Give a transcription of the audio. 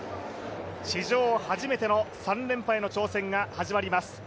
史上初めての３連覇への挑戦が始まります。